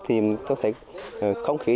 thì tôi thấy không khí